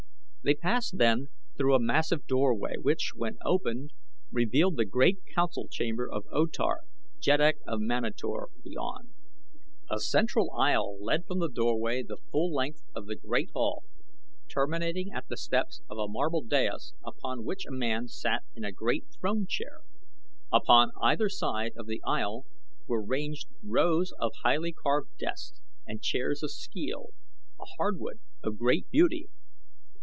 They passed then through a massive doorway, which, when opened, revealed the great council chamber of O Tar, Jeddak of Manator, beyond. A central aisle led from the doorway the full length of the great hall, terminating at the steps of a marble dais upon which a man sat in a great throne chair. Upon either side of the aisle were ranged rows of highly carved desks and chairs of skeel, a hard wood of great beauty.